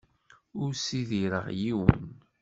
Ur ssidireɣ yiwen.